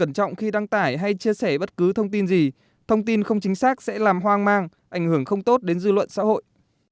quan trọng khi đăng tải hay chia sẻ bất cứ thông tin gì thông tin không chính xác sẽ làm hoang mang ảnh hưởng không tốt đến dư luận xã hội